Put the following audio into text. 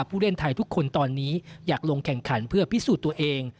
ผู้เล่นไทยทุกคนตอนนี้อยากลงแข่งขันเพื่อพิสูจน์ตัวเอง